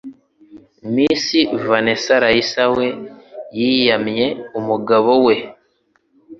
Miss Vanessa Raïssa we yiyamye umugabo we